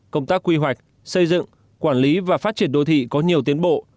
công tác quy hoạch xây dựng quản lý và phát triển đô thị có nhiều tiến bộ